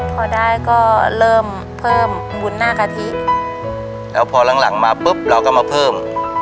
พอได้ก็เริ่มเพิ่มบุญหน้ากะทิแล้วพอหลังหลังมาปุ๊บเราก็มาเพิ่ม